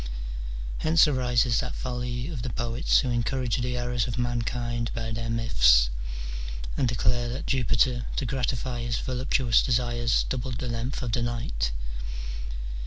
Hence arises that folly of the poets who encourage the errors of mankind by their myths, and declare that Jupiter to gratify his voluptuous desires doubled the length of the night.